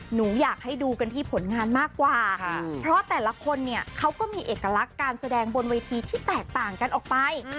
หนูอยากให้ดูกันที่ผลงานมากกว่าเพราะแต่ละคนเนี่ยเขาก็มีเอกลักษณ์การแสดงบนเวทีที่แตกต่างกันออกไป